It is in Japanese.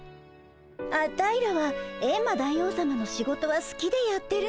アタイらはエンマ大王さまの仕事はすきでやってるんだ。